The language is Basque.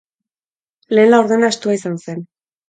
Lehen laurdena estua izan zen.